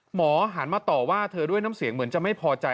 หันมาต่อว่าเธอด้วยน้ำเสียงเหมือนจะไม่พอใจ